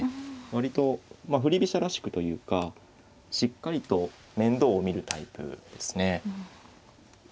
割とまあ振り飛車らしくというかしっかりと面倒を見るタイプですね。